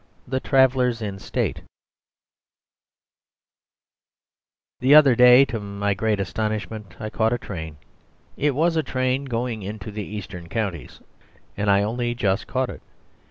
The Travellers in State The other day, to my great astonishment, I caught a train; it was a train going into the Eastern Counties, and I only just caught it.